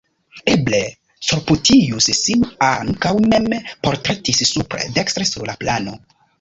Eble Corputius sin ankaŭ mem portretis supre dekstre sur la plano.